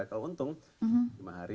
kalau untung lima hari